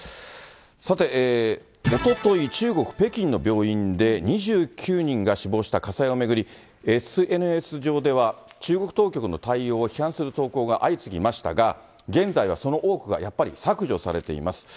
さておととい、中国・北京の病院で、２９人が死亡した火災を巡り、ＳＮＳ上では中国当局の対応を批判する投稿が相次ぎましたが、現在はその多くがやっぱり削除されています。